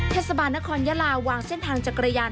เทศบาลนครยาลาวางเส้นทางจักรยาน